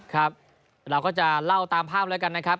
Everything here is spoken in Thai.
ครับเราก็จะเล่าตามภาพแล้วกันนะครับ